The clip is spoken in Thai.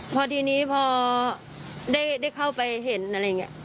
พอทีนี้พอได้เข้าไปเห็นอะไรอย่างนี้